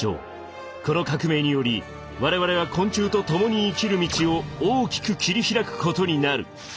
この革命により我々は昆虫と共に生きる道を大きく切り開くことになる。